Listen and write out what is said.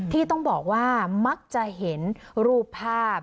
ที่ต้องบอกว่ามักจะเห็นรูปภาพ